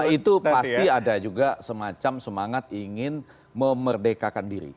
itu pasti ada juga semacam semangat ingin memerdekakan diri